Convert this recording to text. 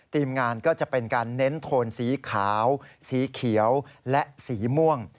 ทีมงานก็จะเป็นการเน้นโทนสีขาวสีเขียวและสีม่วง